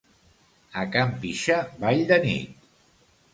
A can pixa ball de nit.